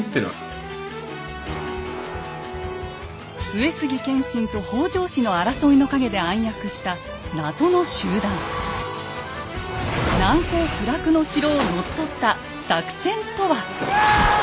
上杉謙信と北条氏の争いの陰で暗躍した難攻不落の城を乗っ取った作戦とは？